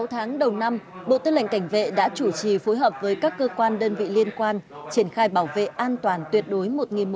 sáu tháng đầu năm bộ tư lệnh cảnh vệ đã chủ trì phối hợp với các cơ quan đơn vị liên quan triển khai bảo vệ an toàn tuyệt đối một một trăm